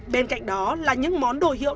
bên cạnh đó là những món đồ hiệu